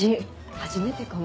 初めてかも。